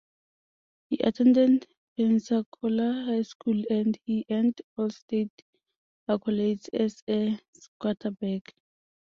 He attended Pensacola High School, and he earned All-State accolades as a quarterback.